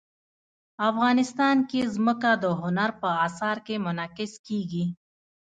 افغانستان کې ځمکه د هنر په اثار کې منعکس کېږي.